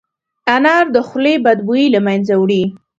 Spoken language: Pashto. انار د خولې بد بوی له منځه وړي.